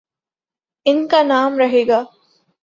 ان کانام رہے گا۔